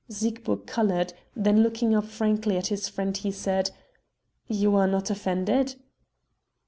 Siegburg colored; then looking up frankly at his friend he said: "You are not offended?"